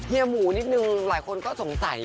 เฮียหมู่นิดหนึ่งหลายคนก็สงสัย